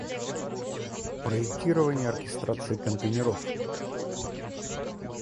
Проектирование оркестрации контейнеров